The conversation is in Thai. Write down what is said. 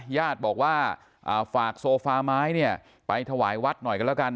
ญาติบอกว่าฝากโซฟาไม้เนี่ยไปถวายวัดหน่อยกันแล้วกัน